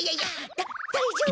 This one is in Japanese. だだいじょうぶです！